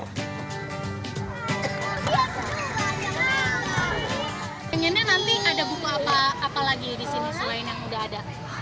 pengennya nanti ada buku apa lagi di sini selain yang udah ada